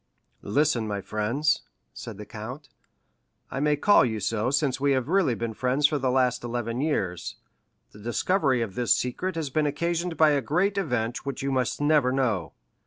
"Listen, my friends," said the count—"I may call you so since we have really been friends for the last eleven years—the discovery of this secret has been occasioned by a great event which you must never know.